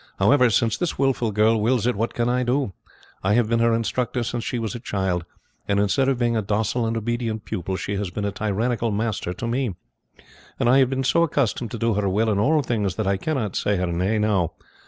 However, since this wilful girl wills it, what can I do? I have been her instructor since she was a child; and instead of being a docile and obedient pupil, she has been a tyrannical master to me; and I have been so accustomed to do her will in all things that I cannot say her nay now.